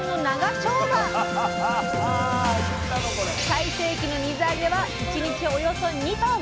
最盛期の水揚げは１日およそ２トン！